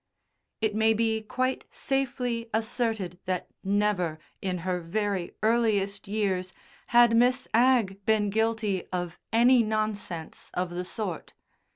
It may be quite safely asserted that never, in her very earliest years, had Miss Agg been guilty of any nonsense of the sort.